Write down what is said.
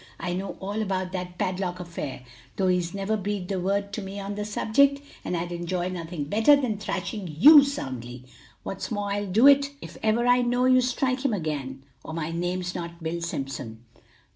I know all about that padlock affair, though he's never breathed a word to me on the subject, and I'd enjoy nothing better than thrashing you soundly; what's more I'll do it if ever I know you to strike him again; or my name's not Bill Simpson.